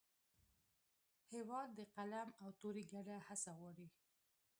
هېواد د قلم او تورې ګډه هڅه غواړي.